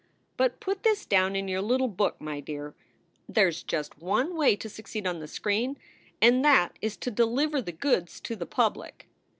But put this down in your little book, my dear there s just one way to succeed on the screen and that is to deliver the goods to the public.